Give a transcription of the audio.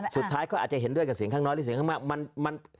สุดท้ายเขาอาจจะเห็นด้วยกับเสียงข้างน้อยหรือสุดท้ายก็ได้